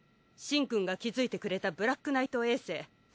シンくんが気付いてくれたブラックナイト衛星